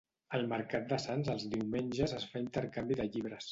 Al mercat de Sants els diumenges es fa intercanvi de llibres.